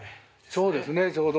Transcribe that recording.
そうですねちょうどね。